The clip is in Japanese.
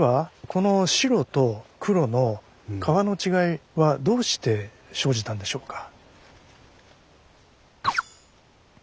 この白と黒の川の違いはどうして生じたんでしょうか？